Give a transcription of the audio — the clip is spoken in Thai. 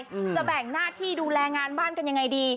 จะแบ่งหน้าที่ดูแลงานบ้านกันยังไงดี